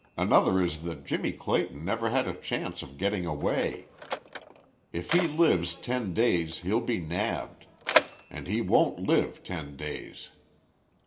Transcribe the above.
Another is that Jimmie Clayton never had a chance of getting away. If he lives ten days he'll be nabbed, and he won't live ten days.